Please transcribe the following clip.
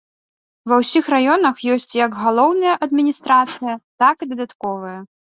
Ва ўсіх раёнах ёсць як галоўная адміністрацыя, так і дадатковая.